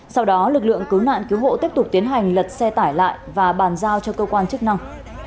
sau đó lực lượng cứu nạn cứu hộ tiếp tục tiến hành lật xe tải lại và bàn giao cho cơ quan chức năng